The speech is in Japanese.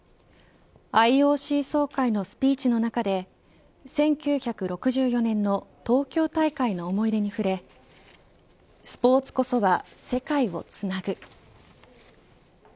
ＩＯＣ総会のスピーチの中で１９６４年の東京大会の思い出に触れスポーツこそは世界をつなぐ。